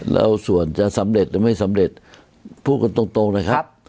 แล้วส่วนจะสำเร็จหรือไม่สำเร็จพูดกันตรงนะครับ